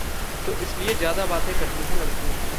...तो इसलिए ज्यादा बातें करती हैं लड़कियां